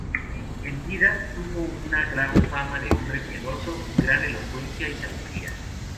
En vida tuvo una gran fama de hombre piadoso, gran elocuencia y sabiduría.